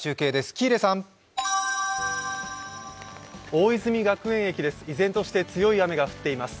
大泉学園駅です。